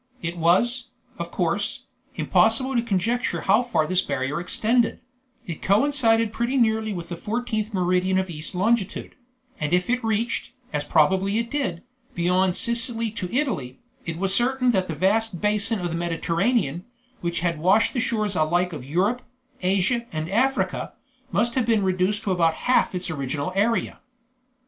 It was, of course, impossible to conjecture how far this barrier extended; it coincided pretty nearly with the fourteenth meridian of east longitude; and if it reached, as probably it did, beyond Sicily to Italy, it was certain that the vast basin of the Mediterranean, which had washed the shores alike of Europe, Asia, and Africa, must have been reduced to about half its original area.